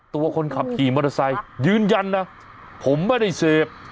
ตัวคนขับขี่มอเตอร์ไซค์ยืนยันนะผมไม่ได้เสพ